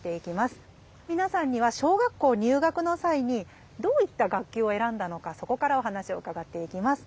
皆さんには小学校入学の際にどういった学級を選んだのかそこからお話を伺っていきます。